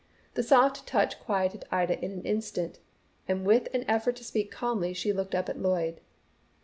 The soft touch quieted Ida in an instant, and with an effort to speak calmly she looked up at Lloyd.